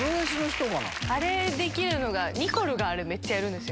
あれできるのが、ニコルがあれ、めっちゃやるんですよ。